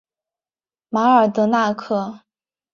巴尔德纳克。